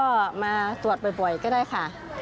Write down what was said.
ก็มาตรวจบ่อยก็ได้ค่ะ